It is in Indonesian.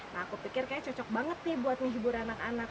nah aku pikir kayaknya cocok banget nih buat menghibur anak anak